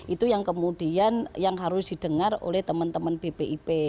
itu yang kemudian yang harus didengar oleh teman teman bpip